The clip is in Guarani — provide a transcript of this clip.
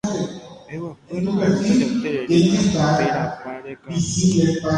eguapýna arúta ja'u terere térãpa rekarúta